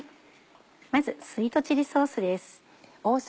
まずスイートチリソースです。